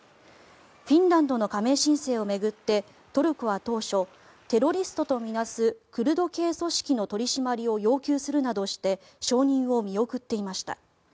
フィンランドの加盟申請を巡ってトルコは当初テロリストと見なすクルド系組織の取り締まりを要求するなどして承認を見送っていました。